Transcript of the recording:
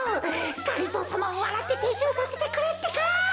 がりぞーさまをわらっててっしゅうさせてくれってか！